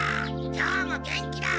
今日も元気だ！